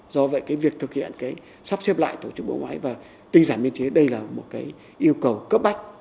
do vậy việc thực hiện sắp xếp lại tổ chức bộ máy và tinh giảm biên chế đây là một yêu cầu cấp bách